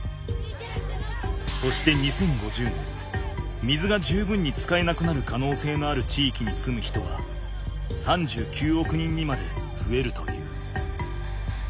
そして２０５０年水が十分に使えなくなる可能性のある地域に住む人は３９億人にまで増えるという。